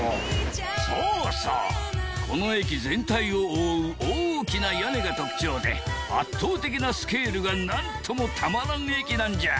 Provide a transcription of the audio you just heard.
そうそうこの駅全体を覆う大きな屋根が特徴で圧倒的なスケールがなんともたまらん駅なんじゃ。